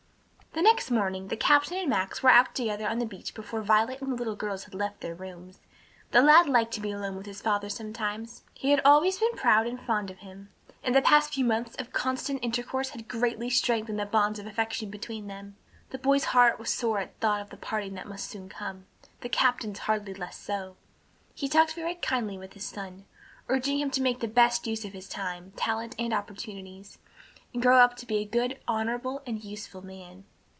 The next morning the captain and Max were out together on the beach before Violet and the little girls had left their rooms. The lad liked to be alone with his father sometimes. He had always been proud and fond of him, and the past few months of constant intercourse had greatly strengthened the bonds of affection between them. The boy's heart was sore at thought of the parting that must soon come, the captain's hardly less so. He talked very kindly with his son, urging him to make the best use of his time, talents and opportunities, and grow up to be a good, honorable and useful man.